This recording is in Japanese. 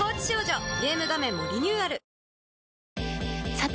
さて！